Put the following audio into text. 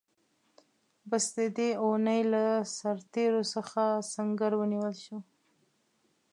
بس د دې اوونۍ له سرتېرو څخه سنګر ونیول شو.